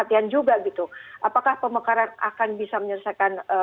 yang akan bisa menyelesaikan